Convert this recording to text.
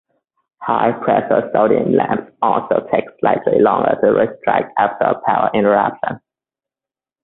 High pressure sodium lamps also take slightly longer to restrike after a power interruption.